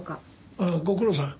ああご苦労さん。